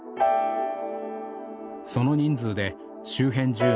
その人数で周辺住民